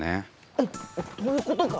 えっどういうことか⁉